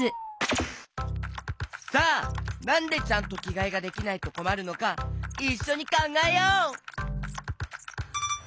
さあなんでちゃんときがえができないとこまるのかいっしょにかんがえよう！